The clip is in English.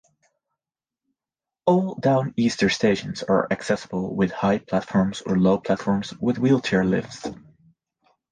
All "Downeaster" stations are accessible with high platforms or low platforms with wheelchair lifts.